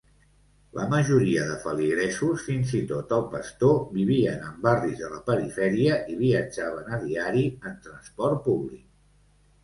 La majoria de feligresos, fins i tot el pastor, vivien en barris de la perifèria i viatjaven a diari en transport públic.